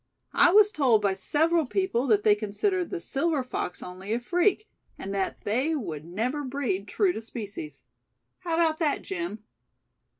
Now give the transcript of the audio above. I was told by several people that they considered the silver fox only a freak, and that they would never breed true to species. How about that, Jim?"